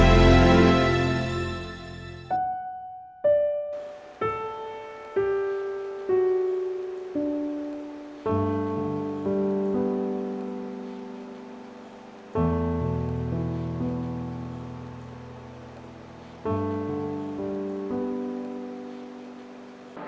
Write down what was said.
เพลง